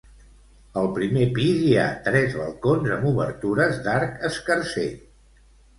Al primer pis hi ha tres balcons amb obertures d'arc escarser.